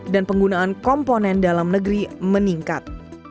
dan penggunaan komponen dalam negeri meningkat